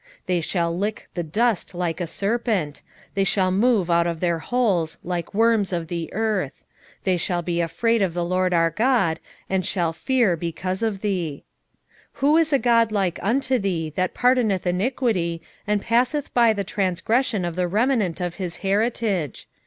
7:17 They shall lick the dust like a serpent, they shall move out of their holes like worms of the earth: they shall be afraid of the LORD our God, and shall fear because of thee. 7:18 Who is a God like unto thee, that pardoneth iniquity, and passeth by the transgression of the remnant of his heritage?